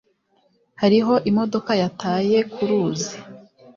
Hariho imodoka yataye ku ruzi.